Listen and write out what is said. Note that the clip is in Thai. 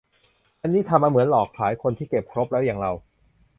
อันนี้เหมือนทำมาหลอกขายคนที่เก็บครบแล้วอย่างเรา